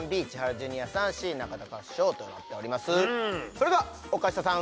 それでは岡下さん